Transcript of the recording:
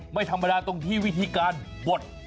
ไม่ธรรมดาตรงที่วิธีการบด